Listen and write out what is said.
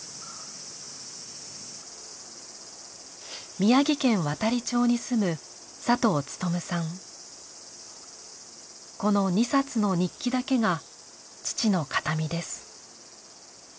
宮城県亘理町に住むこの２冊の日記だけが父の形見です。